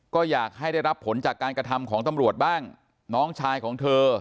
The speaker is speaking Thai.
ก็อยากให้ได้รับผลจากการกระทำของตำรวจบ้างน้องชายของเธอ